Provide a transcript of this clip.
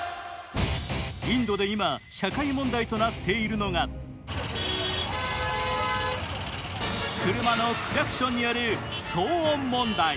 インドで今、社会問題となっているのが車のクラクションによる騒音問題。